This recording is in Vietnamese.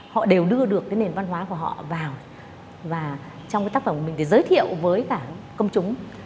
họ đều đưa được cái nền văn hóa của họ vào và trong cái tác phẩm của mình để giới thiệu với cả công chúng